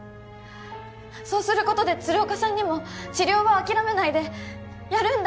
そうすることで鶴岡さんにも治療は諦めないで「やるんだ」